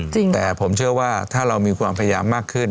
แต่ผมเชื่อว่าถ้าเรามีความพยายามมากขึ้น